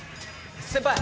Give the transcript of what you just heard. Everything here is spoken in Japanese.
先輩！